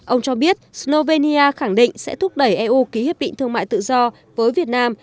ông cho biết slovenia khẳng định sẽ thúc đẩy eu ký hiệp định thương mại tự do với việt nam